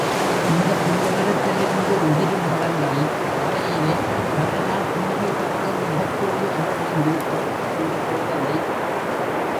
இந்தப் புளியமரத்திலிருந்து உதிரும் பழங்களைக் காலையிலே பலநாள் புன்னகை தவழும் முகத்தோடு அவள் வந்து பொறுக்கிக் கொண்டு போவதை.